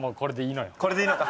これでいいのか。